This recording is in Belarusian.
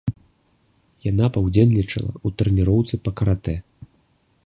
Яна паўдзельнічала ў трэніроўцы па каратэ.